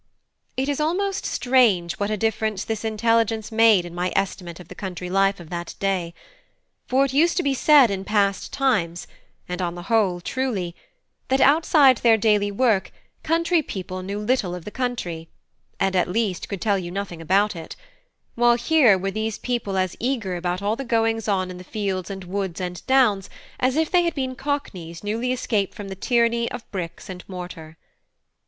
It is almost strange what a difference this intelligence made in my estimate of the country life of that day; for it used to be said in past times, and on the whole truly, that outside their daily work country people knew little of the country, and at least could tell you nothing about it; while here were these people as eager about all the goings on in the fields and woods and downs as if they had been Cockneys newly escaped from the tyranny of bricks and mortar.